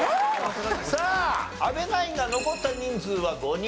さあ阿部ナインが残った人数は５人。